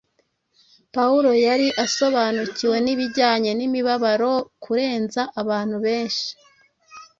Pawulo yari asobanukiwe n’ibijyanye n’imibabaro kurenza abantu benshi;